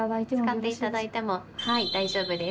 使っていただいても大丈夫です。